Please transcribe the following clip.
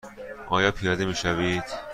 آیا پیاده می شوید؟